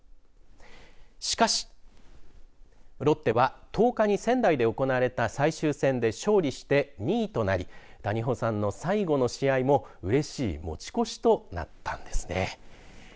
しかしロッテは１０日に仙台で行われた最終戦で勝利して２位となり谷保さんの最後の試合もうれしい持ち越しとなったんですね。